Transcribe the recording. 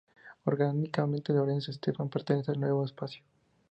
Orgánicamente, Lorenzo Estefan pertenece al Nuevo Espacio.